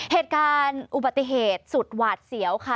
เหตุการณ์อุบัติเหตุสุดหวาดเสียวค่ะ